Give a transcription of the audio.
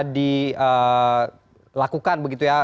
dilakukan begitu ya